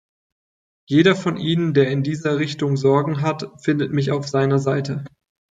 Jeder von Ihnen, der in dieser Richtung Sorgen hat, findet mich auf seiner Seite.